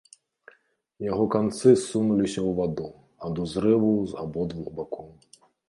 Яго канцы ссунуліся ў ваду ад узрыву з абодвух бакоў.